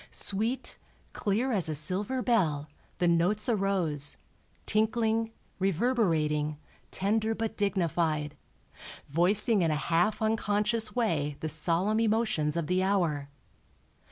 Sweet, clear as a silver bell, the notes arose, tinkling, reverberating, tender but dignified, voicing in a half unconscious way the solemn emotions of the hour.